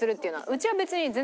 うちは別に全然。